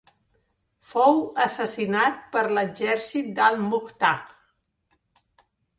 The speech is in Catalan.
Fou assassinat per l'exèrcit d'Al-Mukhtar.